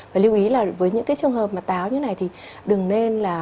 và lưu ý là với những trường hợp táo như thế này